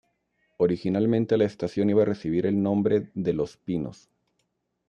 Originalmente la estación iba a recibir el nombre de "Los Pinos".